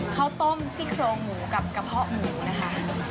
ข้าวต้มซี่โครงหมูกับกระเพาะหมูนะคะ